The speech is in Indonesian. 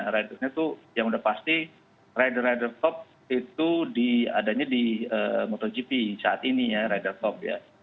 ridernya itu yang udah pasti rider rider top itu adanya di motogp saat ini ya rider top ya